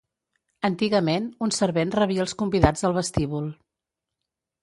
Antigament, un servent rebia els convidats al vestíbul.